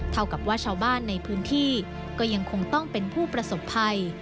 เท่ากับว่าชาวบ้านในพื้นที่ก็ยังคงต้องเป็นผู้ประสบภัย